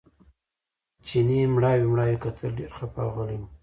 چیني مړاوي مړاوي کتل ډېر خپه او غلی و.